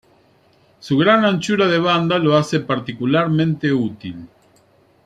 Su gran anchura de banda lo hace particularmente útil.